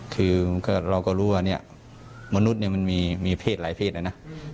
คือเราก็รู้ว่าเนี่ยมนุษย์มันมีเพศหลายเพศนะนะ